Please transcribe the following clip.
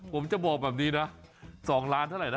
ผมจะบอกแบบนี้นะ๒ล้านเท่าไหร่นะ